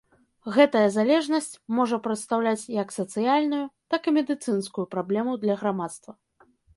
Гэтая залежнасць можа прадстаўляць як сацыяльную, так і медыцынскую праблему для грамадства.